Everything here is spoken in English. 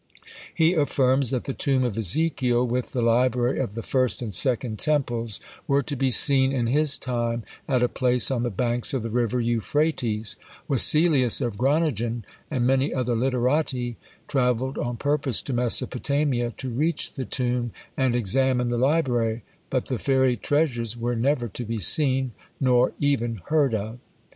He affirms that the tomb of Ezekiel, with the library of the first and second temples, were to be seen in his time at a place on the banks of the river Euphrates; Wesselius of Groningen, and many other literati, travelled on purpose to Mesopotamia, to reach the tomb and examine the library; but the fairy treasures were never to be seen, nor even heard of!